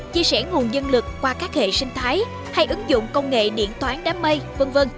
chia sẻ nguồn nhân lực qua các hệ sinh thái hay ứng dụng công nghệ điện toán đám mây v v